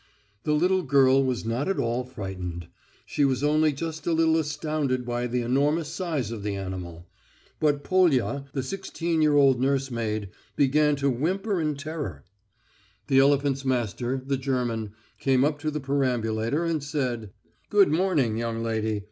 The little girl was not at all frightened. She was only just a little astounded by the enormous size of the animal. But Polya, the sixteen year old nursemaid, began to whimper in terror. The elephant's master, the German, came up to the perambulator and said: "Good morning, young lady.